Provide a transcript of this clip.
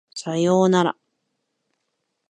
左様なら